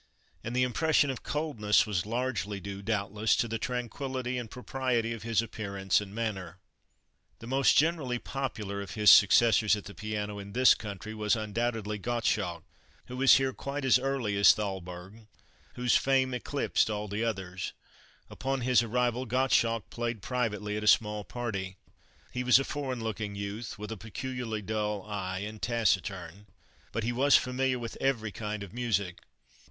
And the impression of coldness was largely due, doubtless, to the tranquillity and propriety of his appearance and manner. The most generally popular of his successors at the piano in this country was undoubtedly Gottschalk, who was here quite as early as Thalberg, whose fame eclipsed all others. Upon his arrival Gottschalk played privately at a small party. He was a foreign looking youth, with a peculiarly dull eye, and taciturn, but he was familiar with every kind of music.